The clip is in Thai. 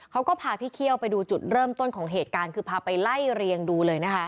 เขาก็พาพี่เคี่ยวไปดูจุดเริ่มต้นของเหตุการณ์คือพาไปไล่เรียงดูเลยนะคะ